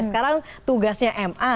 sekarang tugasnya ma